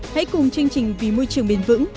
hãy cùng chương trình vì môi trường bền vững